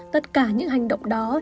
tất cả những hành động đó